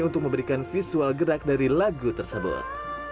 untuk memberikan visual gerak dari lagu tersebut